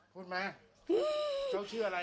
กระจ๊าวชื่ออะไร